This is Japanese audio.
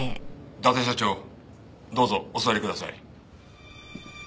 伊達社長どうぞお座りください。